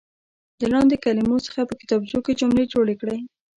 له لاندې کلمو څخه په کتابچو کې جملې جوړې کړئ.